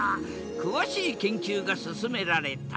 詳しい研究が進められた。